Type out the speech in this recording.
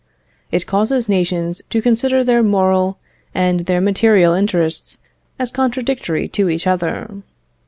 It causes nations to consider their moral and their material interests as contradictory to each other.